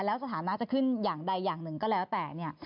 แล้วสถานะจะขึ้นอย่างใดอย่างหนึ่งก็แล้วแต่เนี่ย